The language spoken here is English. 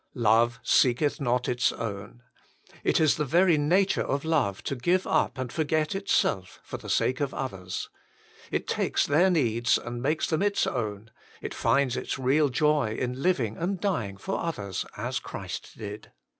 " Love seeketh not its own." It is the very nature of love to give up and forget itself for the sake of others. It takes their needs and makes them its own, it finds its real joy in living and dying for others as Christ did.